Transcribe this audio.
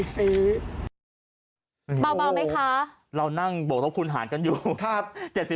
จาก๘๓เป็น๓๘คนดีเขาก็ไม่ซื้อกันหรอกแต่ที่นี่มันเป็นเลขรถไงก็เลยซื้อ